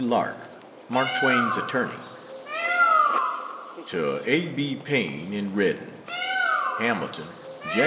Lark, Mark Twain's attorney. To A. B. Paine, in Redding: HAMILTON, Jan.